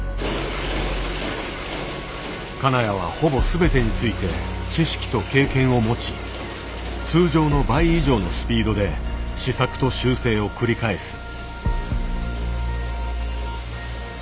金谷はほぼ全てについて知識と経験を持ち通常の倍以上のスピードで試作と修正を繰り返す。